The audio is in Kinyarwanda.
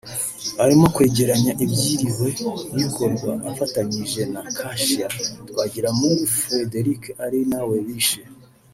arimo kwegeranya ibyiriwe bikorwa afatanyije na cashier Twagiramungu Frederic ari nawe bishe